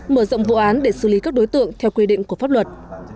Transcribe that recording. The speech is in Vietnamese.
mở rộng vụ án để xử lý các đối tượng theo quy định của pháp luật